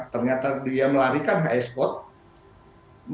ternyata dia melarikan hs code